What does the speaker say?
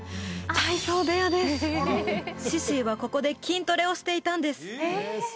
シシィはここで筋トレをしていたんです